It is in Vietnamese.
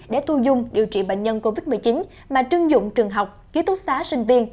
để thu dung điều trị bệnh nhân covid một mươi chín mà trưng dụng trường học ký túc xá sinh viên